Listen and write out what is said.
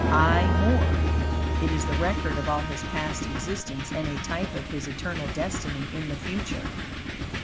Aye, more! It is the record of all his past existence and a type of his eternal destiny in the future.